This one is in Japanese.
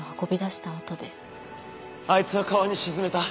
あいつは川に沈めた。